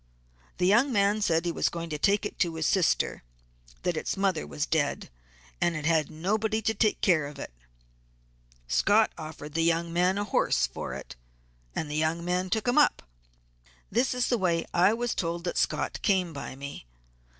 The young man said that he was going to take it to his sister; that its mother was dead, and it had nobody to take care of it. Scott offered the young man a horse for it, and the young man took him up. This is the way I was told that Scott came by me.